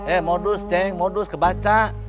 eh modus ceng modus kebaca